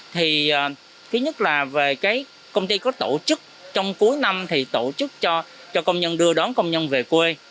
thì thứ nhất là về công ty có tổ chức trong cuối năm thì tổ chức cho công nhân đưa đón công nhân về quê